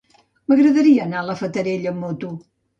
M'agradaria anar a la Fatarella amb moto.